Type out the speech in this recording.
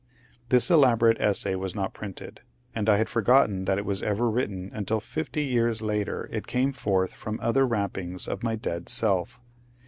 This elaborate essay was not printed, and I had forgotten that it was ever written until fifty years later it came forth from other wrappings of my dead self.